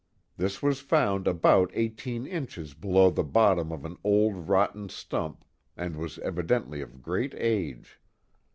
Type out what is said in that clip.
This was found about eighteen inches below the bottom of an old rott jn stump, and was evidently of great age.